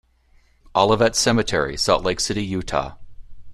Olivet Cemetery, Salt Lake City, Utah.